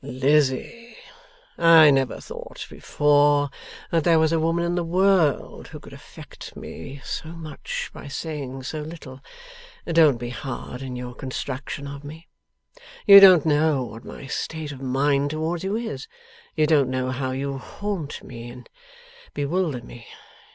'Lizzie! I never thought before, that there was a woman in the world who could affect me so much by saying so little. But don't be hard in your construction of me. You don't know what my state of mind towards you is. You don't know how you haunt me and bewilder me.